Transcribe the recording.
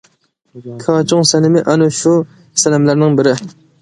كاچۇڭ سەنىمى ئەنە شۇ سەنەملەرنىڭ بىرى.